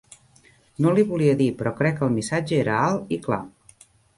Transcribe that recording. No li volia dir però crec que el missatge era alt i clar.